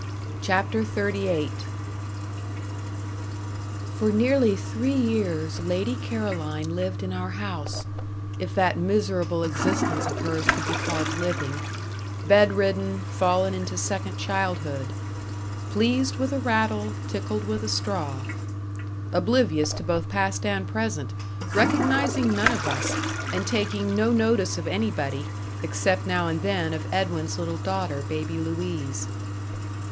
CHAPTER XXXVIII For nearly three years Lady Caroline lived in our house if that miserable existence of hers could be called living bedridden, fallen into second childhood: "Pleased with a rattle, tickled with a straw;" oblivious to both past and present, recognising none of us, and taking no notice of anybody, except now and then of Edwin's little daughter, baby Louise.